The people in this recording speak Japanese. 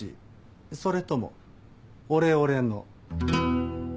それともオレオレの？